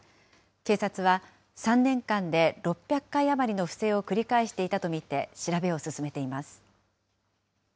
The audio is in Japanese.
警察は、３年間で６００回余りの不正を繰り返していたと見て、調べを進めています。